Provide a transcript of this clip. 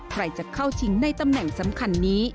ใครจะเข้าชิงในตำแหน่งสำคัญนี้